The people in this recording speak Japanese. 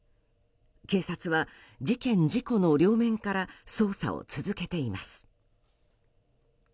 警察は、事件・事故の両面から捜査を続けています。